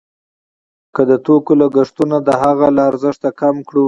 که د توکو لګښتونه د هغه له ارزښت کم کړو